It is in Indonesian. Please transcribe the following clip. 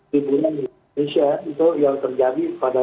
liburan di indonesia itu yang terjadi pada